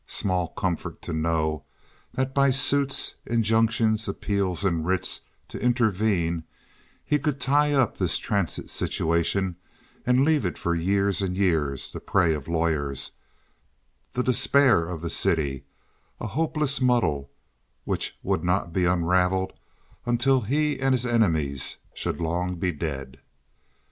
Small comfort to know that by suits, injunctions, appeals, and writs to intervene he could tie up this transit situation and leave it for years and years the prey of lawyers, the despair of the city, a hopeless muddle which would not be unraveled until he and his enemies should long be dead.